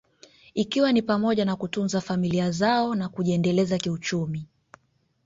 ikiwa ni pamoja na kutunza familia zao na kujiendeleza kiuchumi